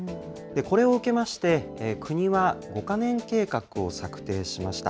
これを受けまして、国は５か年計画を策定しました。